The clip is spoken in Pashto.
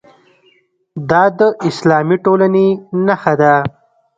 دا د اسلامي ټولنې نښه ده.